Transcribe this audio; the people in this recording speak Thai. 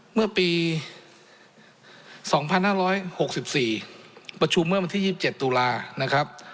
เมื่อปี๒๕๖๔ประชุมเมื่อวันที่๒๗ตุลานะครับ